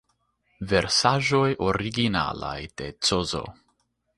Versaĵoj originalaj de Cz.